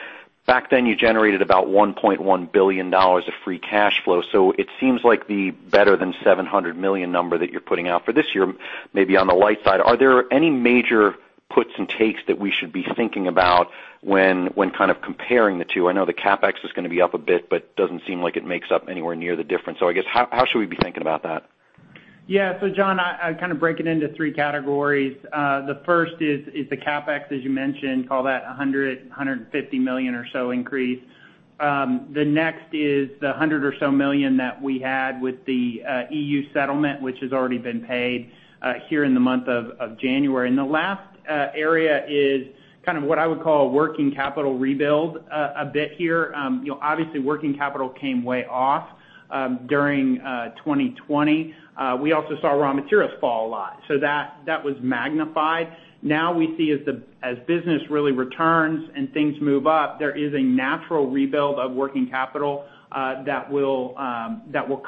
Back then, you generated about $1.1 billion of free cash flow. It seems like the better than $700 million number that you're putting out for this year may be on the light side. Are there any major puts and takes that we should be thinking about when kind of comparing the two? I know the CapEx is going to be up a bit, but doesn't seem like it makes up anywhere near the difference. I guess, how should we be thinking about that? Yeah. John, I kind of break it into three categories. The first is the CapEx, as you mentioned, call that $100-150 million or so increase. The next is the $100 million or so that we had with the EU settlement, which has already been paid here in the month of January. The last area is kind of what I would call a working capital rebuild a bit here. Obviously, working capital came way off during 2020. We also saw raw materials fall a lot, so that was magnified. Now we see as business really returns and things move up, there is a natural rebuild of working capital that will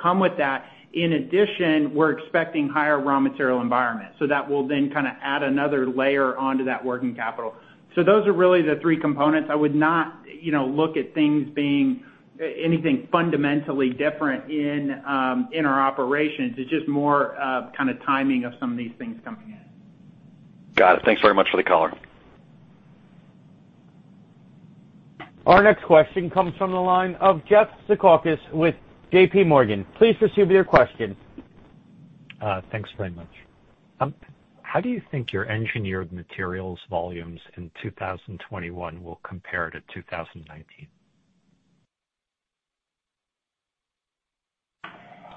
come with that. In addition, we're expecting higher raw material environment, so that will then kind of add another layer onto that working capital. Those are really the three components. I would not look at things being anything fundamentally different in our operations. It's just more of kind of timing of some of these things coming in. Got it. Thanks very much for the color. Our next question comes from the line of Jeffrey Zekauskas with JPMorgan. Please proceed with your question. Thanks very much. How do you think your engineered materials volumes in 2021 will compare to 2019?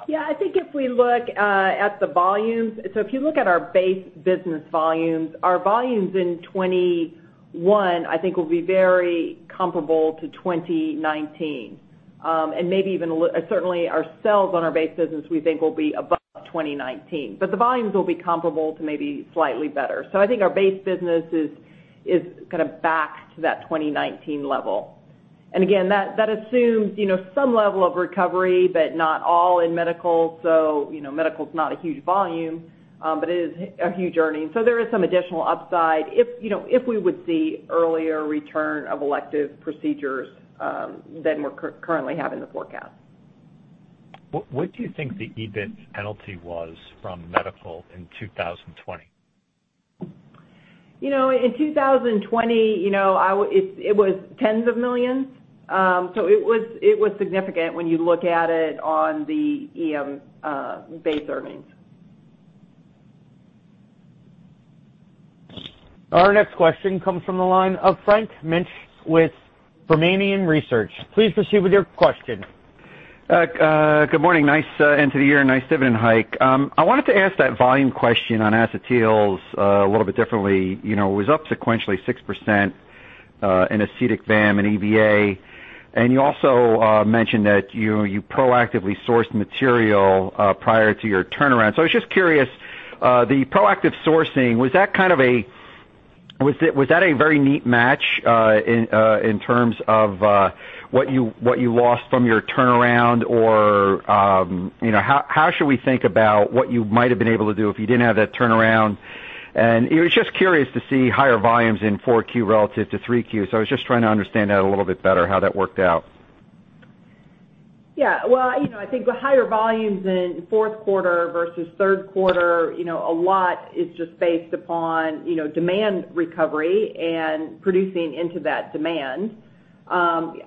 Yeah, I think if we look at the volumes, so if you look at our base business volumes, our volumes in 2021, I think, will be very comparable to 2019. Certainly our sales on our base business, we think, will be above 2019. The volumes will be comparable to maybe slightly better. I think our base business is kind of back to that 2019 level. Again, that assumes some level of recovery, but not all in medical. Medical is not a huge volume, but it is a huge earning. There is some additional upside if we would see earlier return of elective procedures than we currently have in the forecast. What do you think the EBIT's penalty was from medical in 2020? In 2020, it was tens of millions. It was significant when you look at it on the EM base earnings. Our next question comes from the line of Frank Mitsch with Fermium Research. Please proceed with your question. Good morning. Nice end to the year. Nice dividend hike. I wanted to ask that volume question on Acetyls a little bit differently. It was up sequentially 6% in acetic VAM and EVA, and you also mentioned that you proactively sourced material prior to your turnaround. I was just curious, the proactive sourcing, was that a very neat match in terms of what you lost from your turnaround? How should we think about what you might have been able to do if you didn't have that turnaround? It was just curious to see higher volumes in Q4 relative to Q3. I was just trying to understand that a little bit better, how that worked out. Yeah. Well, I think the higher volumes in the fourth quarter versus third quarter, a lot is just based upon demand recovery and producing into that demand.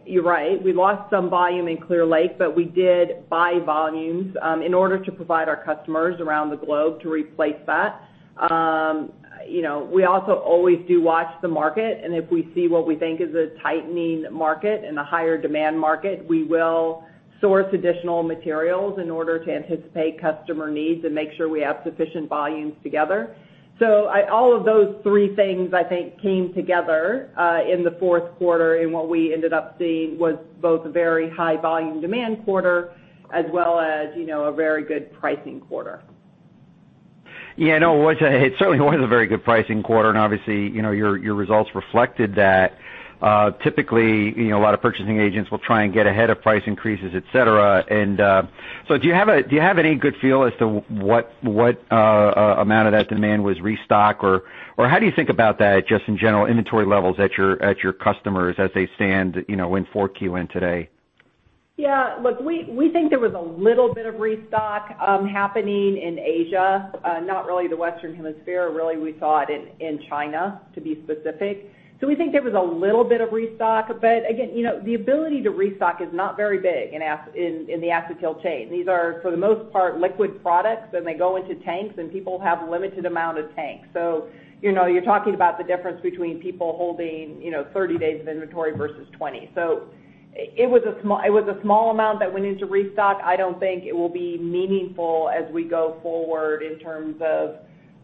You're right, we lost some volume in Clear Lake, but we did buy volumes in order to provide our customers around the globe to replace that. We also always do watch the market, and if we see what we think is a tightening market and a higher demand market, we will source additional materials in order to anticipate customer needs and make sure we have sufficient volumes together. All of those three things I think came together in the fourth quarter in what we ended up seeing was both a very high volume demand quarter as well as a very good pricing quarter. Yeah, I know. It certainly was a very good pricing quarter and obviously your results reflected that. Typically, a lot of purchasing agents will try and get ahead of price increases, et cetera. Do you have any good feel as to what amount of that demand was restock? How do you think about that, just in general inventory levels at your customers as they stand in Q4 and today? Yeah, look, we think there was a little bit of restock happening in Asia, not really the Western Hemisphere. Really, we saw it in China, to be specific. We think there was a little bit of restock. Again, the ability to restock is not very big in the acetyl chain. These are, for the most part, liquid products, and they go into tanks, and people have limited amount of tanks. You're talking about the difference between people holding 30 days of inventory versus 20. It was a small amount that went into restock. I don't think it will be meaningful as we go forward in terms of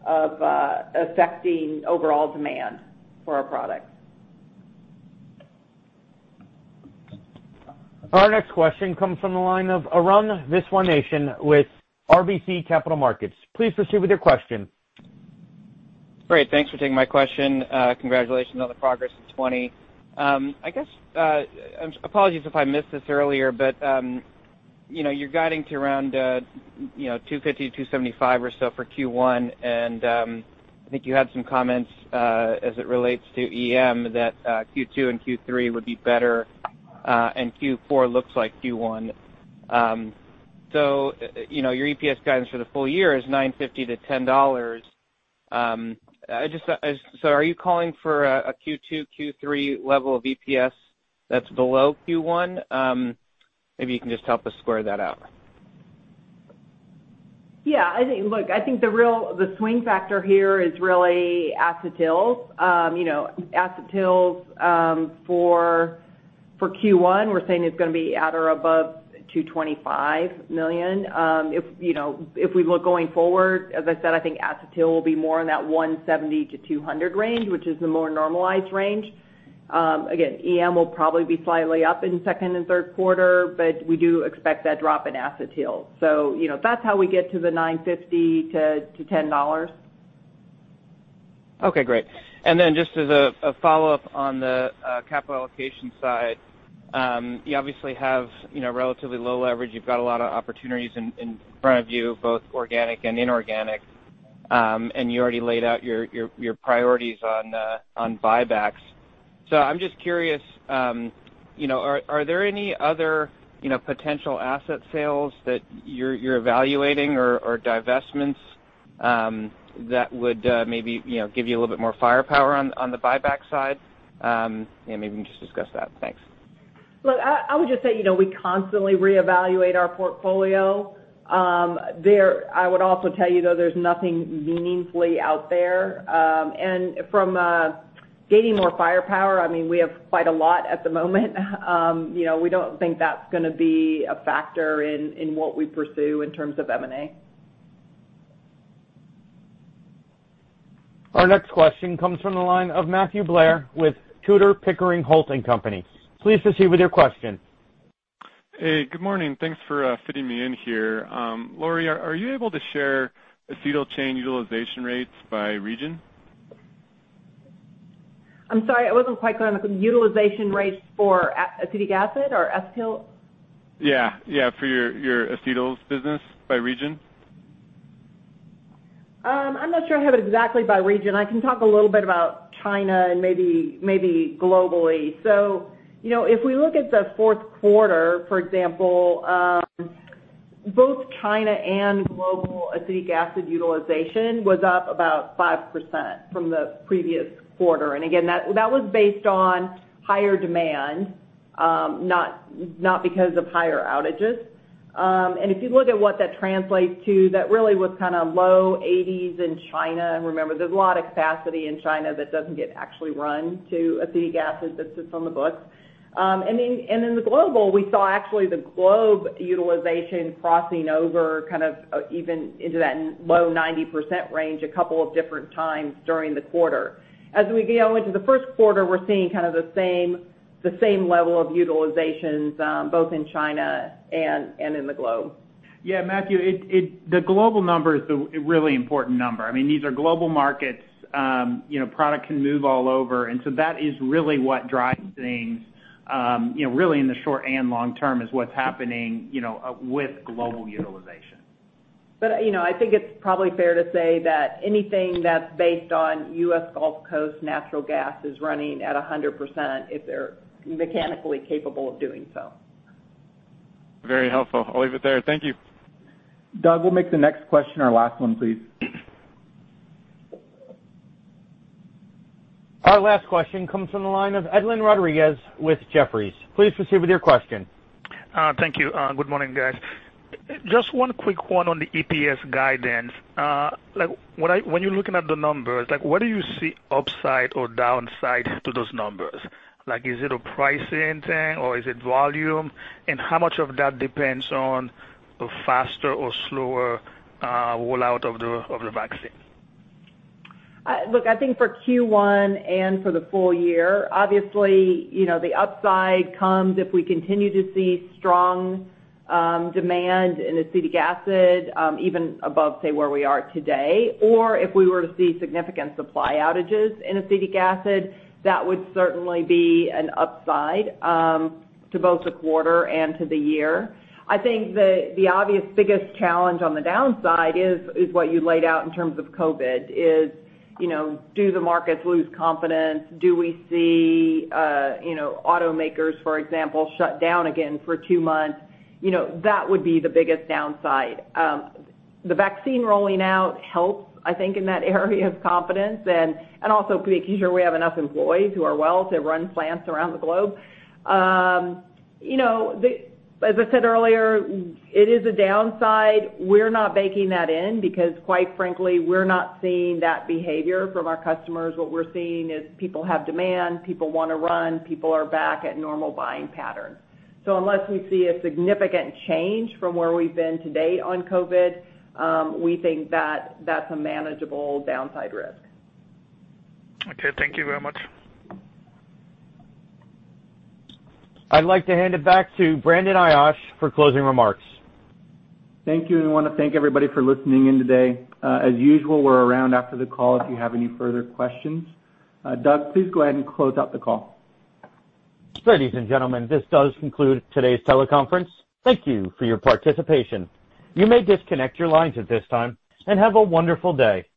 affecting overall demand for our products. Our next question comes from the line of Arun Viswanathan with RBC Capital Markets. Please proceed with your question. Great, thanks for taking my question. Congratulations on the progress in 2020. Apologies if I missed this earlier, but you're guiding to around $250, $275 or so for Q1, and I think you had some comments as it relates to EM that Q2 and Q3 would be better, and Q4 looks like Q1. Your EPS guidance for the full year is $9.50 to $10. Are you calling for a Q2, Q3 level of EPS that's below Q1? Maybe you can just help us square that out. Yeah, look, I think the swing factor here is really acetyls. Acetyls for Q1, we're saying it's going to be at or above $225 million. If we look going forward, as I said, I think acetyl will be more in that $170 to $200 range, which is the more normalized range. Again, EM will probably be slightly up in second and third quarter, but we do expect that drop in acetyl. that's how we get to the $9.50-10. Okay, great. Just as a follow-up on the capital allocation side. You obviously have relatively low leverage. You've got a lot of opportunities in front of you, both organic and inorganic, and you already laid out your priorities on buybacks. I'm just curious, are there any other potential asset sales that you're evaluating or divestments that would maybe give you a little bit more firepower on the buyback side? Maybe you can just discuss that. Thanks. Look, I would just say, we constantly reevaluate our portfolio. I would also tell you, though, there's nothing meaningfully out there. From gaining more firepower, we have quite a lot at the moment. We don't think that's going to be a factor in what we pursue in terms of M&A. Our next question comes from the line of Matthew Blair with Tudor, Pickering, Holt & Co. Please proceed with your question. Hey, good morning. Thanks for fitting me in here. Lori, are you able to share Acetyl Chain utilization rates by region? I'm sorry, I wasn't quite clear on the utilization rates for acetic acid or acetyl? Yeah. For your Acetyls business by region. I'm not sure I have it exactly by region. I can talk a little bit about China and maybe globally. If we look at the fourth quarter, for example, both China and global acetic acid utilization was up about 5% from the previous quarter. Again, that was based on higher demand, not because of higher outages. If you look at what that translates to, that really was low 80s in China. Remember, there's a lot of capacity in China that doesn't get actually run to acetic acid that sits on the books. In the global, we saw actually the globe utilization crossing over even into that low 90% range a couple of different times during the quarter. As we go into the first quarter, we're seeing the same level of utilizations both in China and in the globe. Yeah, Matthew, the global number is the really important number. These are global markets. Product can move all over. that is really what drives things really in the short and long term is what's happening with global utilization. I think it's probably fair to say that anything that's based on U.S. Gulf Coast natural gas is running at 100% if they're mechanically capable of doing so. Very helpful. I'll leave it there. Thank you. Doug, we'll make the next question our last one, please. Our last question comes from the line of Edlain Rodriguez with Jefferies. Please proceed with your question. Thank you. Good morning, guys. Just one quick one on the EPS guidance. When you're looking at the numbers, what do you see upside or downside to those numbers? Is it a pricing thing or is it volume? How much of that depends on a faster or slower rollout of the vaccine? Look, I think for Q1 and for the full year, obviously, the upside comes if we continue to see strong demand in acetic acid even above, say, where we are today, or if we were to see significant supply outages in acetic acid, that would certainly be an upside to both the quarter and to the year. I think the obvious biggest challenge on the downside is what you laid out in terms of COVID, is do the markets lose confidence? Do we see automakers, for example, shut down again for two months? That would be the biggest downside. The vaccine rolling out helps, I think, in that area of confidence, and also making sure we have enough employees who are well to run plants around the globe. As I said earlier, it is a downside. We're not baking that in because quite frankly, we're not seeing that behavior from our customers. What we're seeing is people have demand, people want to run, people are back at normal buying patterns. Unless we see a significant change from where we've been today on COVID, we think that that's a manageable downside risk. Okay. Thank you very much. I'd like to hand it back to Brandon Ayache for closing remarks. Thank you, and want to thank everybody for listening in today. As usual, we're around after the call if you have any further questions. Doug, please go ahead and close out the call. Ladies and gentlemen, this does conclude today's teleconference. Thank you for your participation. You may disconnect your lines at this time, and have a wonderful day.